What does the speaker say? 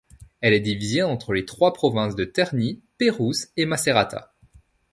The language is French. Elle est divisée entre les trois provinces de Terni, Pérouse et Macerata.